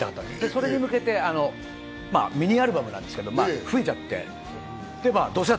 それに向けて、ミニアルバムなんですけど、増えちゃって。